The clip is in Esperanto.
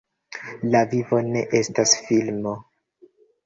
La vivo ne estas filmo.